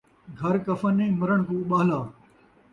گھر کفن نئیں ، مرݨ کوں اُٻاہلا